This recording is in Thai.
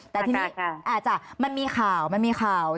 แต่ที่นี้มันมีข่าวมันมีข่าว